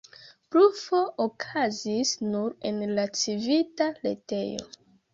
Blufo okazis nur en la Civita retejo.